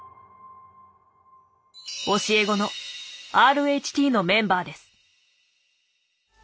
教え子のＲＨＴのメンバーです。